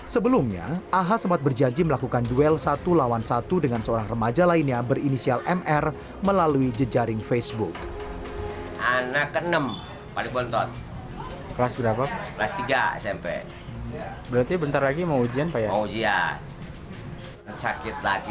sebelumnya aha sempat berjanji melakukan duel satu lawan satu dengan seorang remaja lainnya berinisial mr melalui jejaring facebook